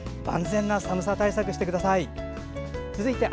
万全な寒さ対策をしてください。